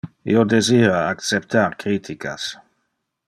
Io desira acceptar criticas.